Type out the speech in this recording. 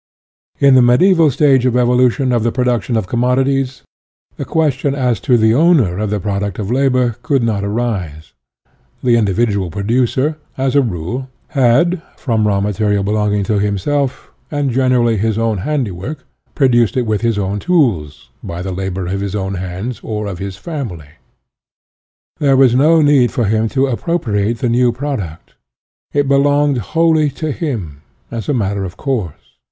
In the mediaeval stage of evolution of the production of commodities, the question as to the owner of the product of labor could not arise. The individual producer, as a rule, had, from raw material belonging to himself, and generally his own handiwork, produced it with his own tools, by the labor of his own hands or of his family. There was no need for him to appropriate the new product. It belonged wholly to him, as a matter of course.